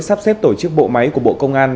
sắp xếp tổ chức bộ máy của bộ công an